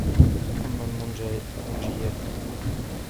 فَأَمَّا الْمُنْجِيَاتُ